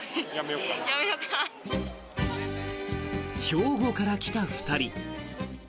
兵庫から来た２人。